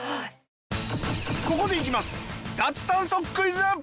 ここでいきます